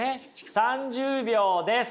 ３０秒です。